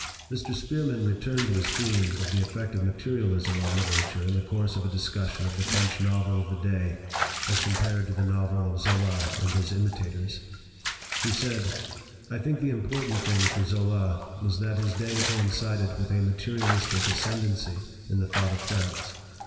Mr. Spearman returned to his theme of the effect of materialism on literature in the course of a discussion of the French novel of the day as compared to the novel of Zola and his imitators. He said : "I think the important thing for Zola was that his day coincided with a materialistic ascendency in the thought of France.